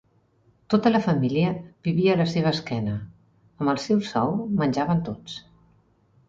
Tota la família vivia a la seva esquena. Amb el seu sou menjaven tots.